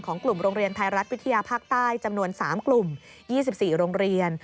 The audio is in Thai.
กลุ่มโรงเรียนไทยรัฐวิทยาภาคใต้จำนวน๓กลุ่ม๒๔โรงเรียน